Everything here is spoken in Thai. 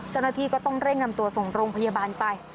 เจ้าหน้าที่ก็ต้องเร่งนำตัวส่งโรงพยาบาลไป